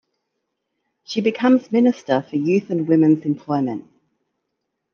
She becomes Minister for Youth and Women's Employment.